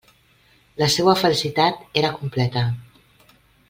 La seua felicitat era completa.